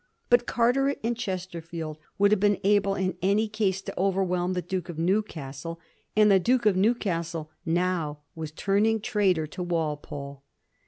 But Carteret and Chesterfield would have been able in any case to overwhelm the Duke of Newcastle, and the Duke of New castle now was turning traitor to Walpole.